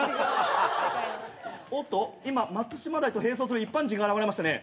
おっと今松島大と並走する一般人が現れましたね。